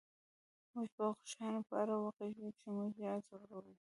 موږ به د هغو شیانو په اړه وغږیږو چې موږ ځوروي